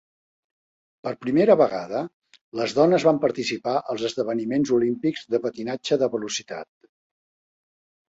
Per primera vegada, les dones van participar als esdeveniments olímpics de patinatge de velocitat.